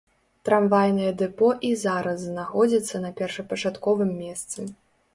Трамвайнае дэпо і зараз знаходзіцца на першапачатковым месцы.